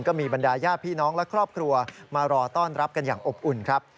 บรรดาญาติพี่น้องและครอบครัวมารอต้อนรับกันอย่างอบอุ่นครับ